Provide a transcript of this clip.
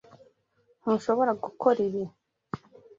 Ntushobora gukora ibi.